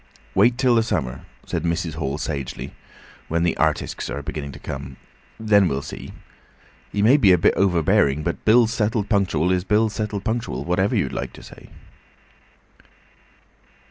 "Wait till the summer," said Mrs. Hall sagely, "when the artisks are beginning to come. Then we'll see. He may be a bit overbearing, but bills settled punctual is bills settled punctual, whatever you'd like to say."